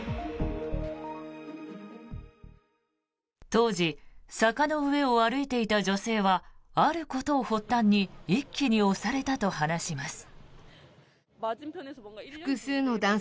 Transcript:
当時、坂の上を歩いていた女性はあることを発端に一気に押されたと話します。